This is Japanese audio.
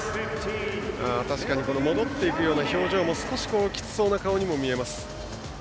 確かに戻っていくような表情も少し、きつそうな顔にも見えます。